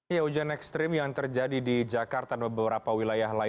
ya hujan ekstrim yang terjadi di jakarta dan beberapa wilayah lain